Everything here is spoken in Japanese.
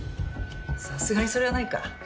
さすがにそれはないか。